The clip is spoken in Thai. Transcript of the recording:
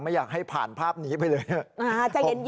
ไม่อยากให้ผ่านภาพนี้ไปเลย